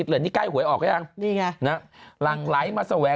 เป็นแมว